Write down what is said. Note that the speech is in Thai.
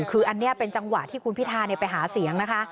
คืออันนี้เป็นจังหวะที่คุณพิทาไปหาเสียงนะคะ